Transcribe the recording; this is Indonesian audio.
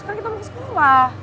kan kita mau ke sekolah